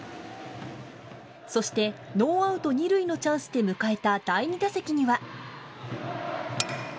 そして、ノーアウト２塁のチャンスで迎えた第２打席には。